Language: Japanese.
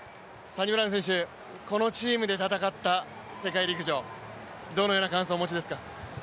このチームで戦った世界陸上どのような感想をお持ちですか？